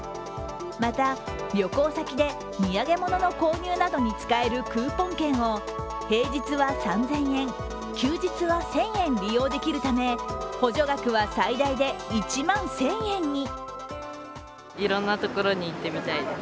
また、旅行先で土産物の購入などに使えるクーポン券を平日は３０００円、休日は１０００円利用できるため補助額は最大で１万１０００円に。